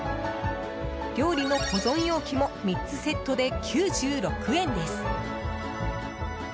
料理の保存容器も３つセットで９６円です。